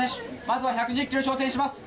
まずは１２０キロに挑戦します。